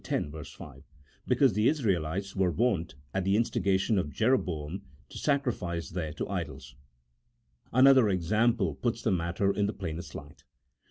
5), because the Israelites were wont, at the instigation of Jeroboam, to sacrifice there to idols. Another example puts the matter in the plainest light.